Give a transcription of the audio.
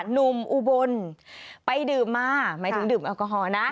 อุบลไปดื่มมาหมายถึงดื่มแอลกอฮอลนะ